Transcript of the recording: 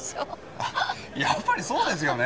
あっやっぱりそうですよね？